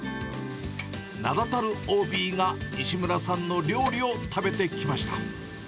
名だたるＯＢが西村さんの料理を食べてきました。